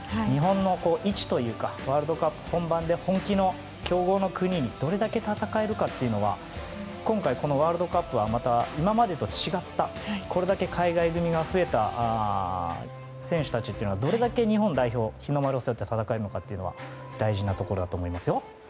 日本の位置というかワールドカップ本番で本気で強豪の国にどれだけ戦えるかというのは今回このワールドカップはまた今までと違ったこれだけ海外組が増えた選手たちというのはどれだけ日本代表日の丸を背負って戦えるのかは大事なところだと思いますよ。